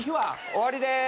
終わりです。